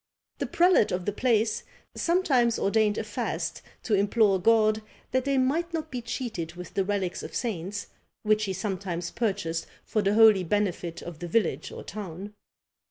The prelate of the place sometimes ordained a fast to implore God that they might not be cheated with the relics of saints, which he sometimes purchased for the holy benefit of the village or town.